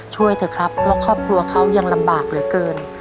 ช่วยเถอะครับเพราะครอบครัวเขายังลำบากเหลือเกิน